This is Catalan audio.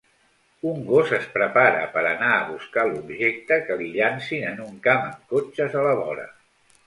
Un gos es prepara per anar a buscar l'objecte que li llancin en un camp amb cotxes a la vora.